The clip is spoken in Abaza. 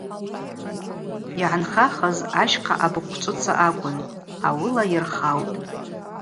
Йгӏанхахыз ащхъа абыхъвчӏвыца акӏвын, ауыла йырхаутӏ.